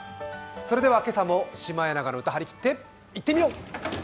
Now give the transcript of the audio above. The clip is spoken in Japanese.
それでは、今朝も「シマエナガの歌」はりきっていってみよう！